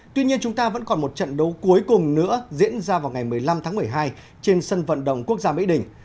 tuy nhiên chúng ta vẫn còn một trận đấu cuối cùng nữa diễn ra vào ngày một mươi năm tháng một mươi hai trên sân vận động quốc gia mỹ đình